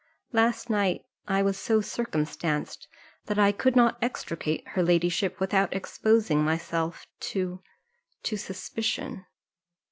Last night I was so circumstanced, that I could not extricate her ladyship without exposing myself to to suspicion."